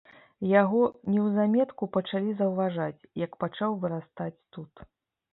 Яго неўзаметку пачалі заўважаць, як пачаў вырастаць тут.